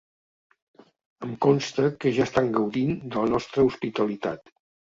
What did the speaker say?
Em consta que ja estan gaudint de la nostra hospitalitat.